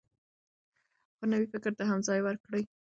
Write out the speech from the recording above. خو نوي فکر ته هم ځای ورکړئ.